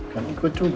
kan ikut juga